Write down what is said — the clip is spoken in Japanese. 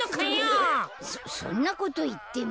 そんなこといっても。